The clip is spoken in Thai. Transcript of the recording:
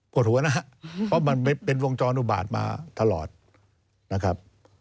ปวดหัวนะเพราะมันเป็นวงจรุบาทมาทลอดนะครับ